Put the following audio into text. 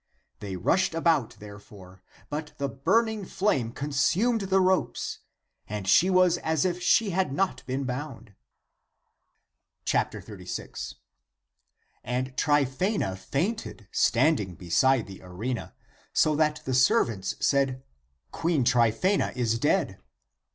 They rushed about, therefore; but the burn ing flame consumed the ropes, and she was as if she had not been bound. 36. And Tryphsena fainted standing beside the arena, so that the servants said, " Queen Tryphaena is dead."